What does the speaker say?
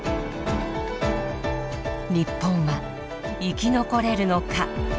日本は生き残れるのか？